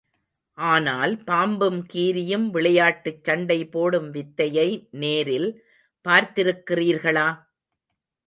ஆனால், பாம்பும் கீரியும் விளையாட்டுச் சண்டை போடும் வித்தையை நேரில் பார்த்திருக்கிறீர்களா?